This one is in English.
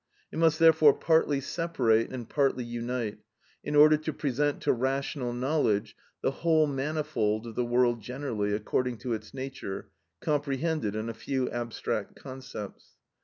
It must therefore partly separate and partly unite, in order to present to rational knowledge the whole manifold of the world generally, according to its nature, comprehended in a few abstract concepts.